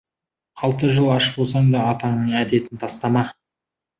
Алты жыл аш болсаң да, атаңның әдетін тастама.